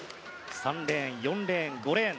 ３レーン、４レーン、５レーン。